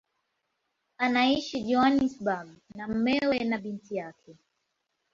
Anaishi Johannesburg na mumewe na binti yake.